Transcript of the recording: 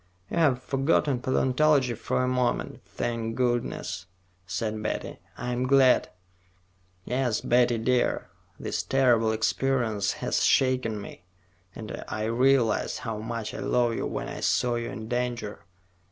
"You've forgotten paleontology for a moment, thank goodness," said Betty. "I'm glad." "Yes, Betty dear. This terrible experience has shaken me, and I realized how much I love you when I saw you in danger.